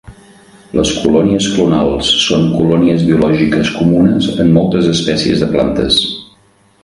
Les colònies clonals són colònies biològiques comunes en moltes espècies de plantes.